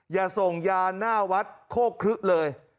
อย่าส่งยาน่าวัดโคกฤษเลย